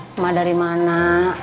mama dari mana